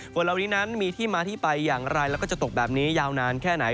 ฝนเหล่านี้นั้นมีที่มาที่ไปอย่างไรแล้วก็จะตกแบบนี้ยาวนานแค่ไหน